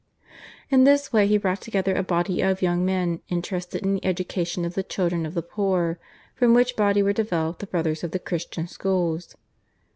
In this way he brought together a body of young men interested in the education of the children of the poor, from which body were developed the Brothers of the Christian Schools.